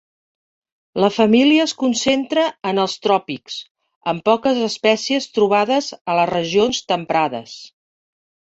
La família es concentra en els tròpics, amb poques espècies trobades a les regions temperades.